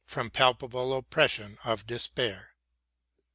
From palpable oppressions of despair.